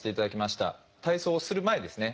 体操をする前ですね